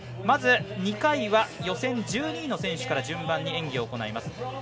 まず２回は予選１２位の選手から順番に演技を行います。